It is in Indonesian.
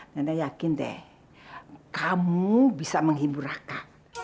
nenek yakin deh kamu bisa menghibur raka